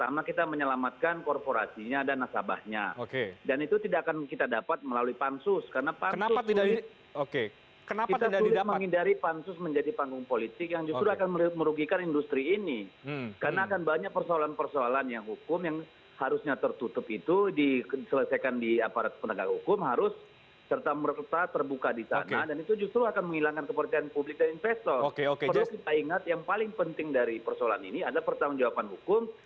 membuat gaduh sehingga mengganggu